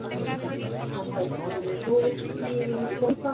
En general, existen dos modalidades de pensión.